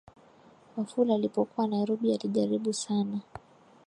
Wafula alipokuwa Nairobi alijaribu sana